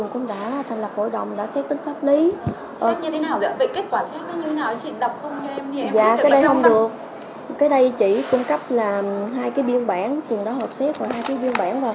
nó phải có kết quả chứ chị nói mỗi cái xét tính pháp lý rồi chị bảo bà lý